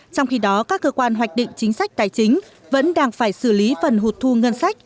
trong khi đó các cơ quan hoạch định chính sách tài chính vẫn đang phải xử lý phần hụt thu ngân sách